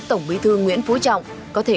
tổng bí thư nguyễn phú trọng có thể